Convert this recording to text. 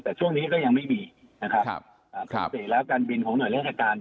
แต่ช่วงนี้ก็ยังไม่มีนะครับปกติแล้วการบินของหน่วยราชการ